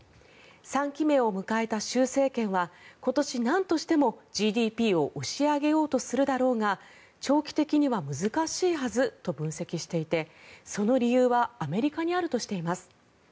３期目を迎えた習政権は今年、なんとしてもＧＤＰを押し上げようとするだろうが長期的には難しいはずと分析していてその理由はアメリカにあるとしています。